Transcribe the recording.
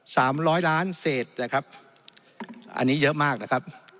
สามร้อยล้านเศษนะครับอันนี้เยอะมากนะครับ